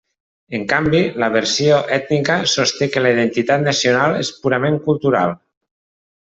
En canvi, la versió ètnica sosté que la identitat nacional és purament cultural.